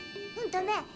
うんとね